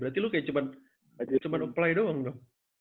berarti lu kayak cuman apply doang dong